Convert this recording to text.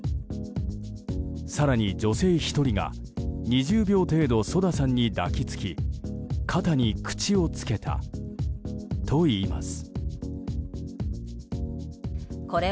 更に女性１人が、２０秒程度ＳＯＤＡさんに抱きつき肩に口をつけたといいます。